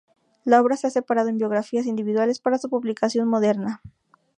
La obra se ha separado en biografías individuales para su publicación moderna.